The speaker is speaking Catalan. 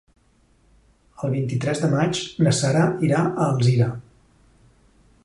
El vint-i-tres de maig na Sara irà a Alzira.